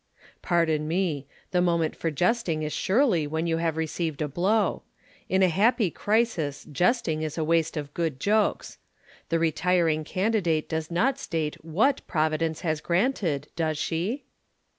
"Pardon me. The moment for jesting is surely when you have received a blow. In a happy crisis jesting is a waste of good jokes. The retiring candidate does not state what Providence has granted, does she?"